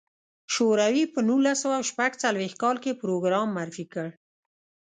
شوروي په نولس سوه شپږ څلوېښت کال کې پروګرام معرفي کړ.